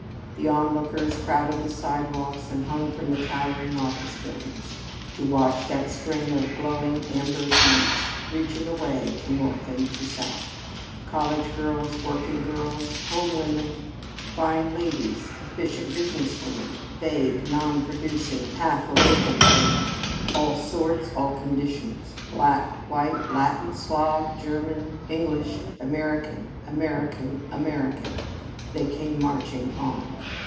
The onlookers crowded the sidewalks and hung from the towering office buildings, to watch that string of glowing amber beads reaching away to north and to south. College girls, working girls, home women, fine ladies, efficient business women, vague, non producing, half awakened women, all sorts, all conditions, black, white, Latin, Slav, Germanic, English, American, American, American, they came marching on.